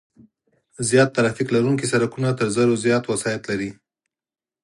زیات ترافیک لرونکي سرکونه تر زرو زیات وسایط لري